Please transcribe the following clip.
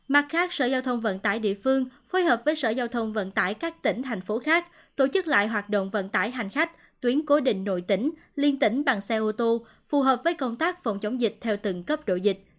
mặt khác sở giao thông vận tải địa phương phối hợp với sở giao thông vận tải các tỉnh thành phố khác tổ chức lại hoạt động vận tải hành khách tuyến cố định nội tỉnh liên tỉnh bằng xe ô tô phù hợp với công tác phòng chống dịch theo từng cấp độ dịch